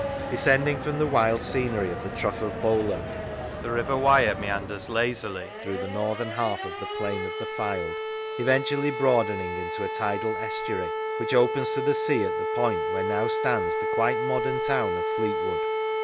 Descending from the wild scenery of the Trough of Bowland, the River Wyre meanders lazily through the northern half of the plain of the Fylde, eventually broadening into a tidal estuary, which opens to the sea at the point where now stands the quite modern town of Fleetwood.